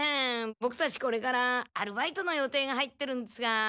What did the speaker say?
ボクたちこれからアルバイトの予定が入ってるんですが。